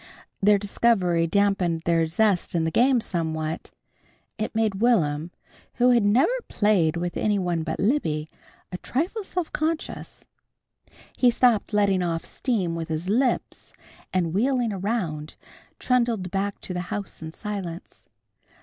The discovery dampened their zest in the game somewhat. It made Will'm, who had never played with any one but Libby, a trifle self conscious. He stopped letting off steam with his lips, and wheeling around, trundled back to the house in silence.